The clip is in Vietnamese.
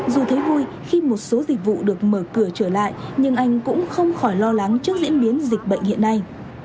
dù thấy vui khi một số dịch vụ được mở cửa trở lại nhưng anh cũng không khỏi lo lắng trước diễn biến dịch bệnh hiện nay